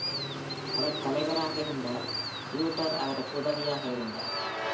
அவர் தலைவராக இருந்தார், டியூடர் அவருக்கு உதவியாக இருந்தார்.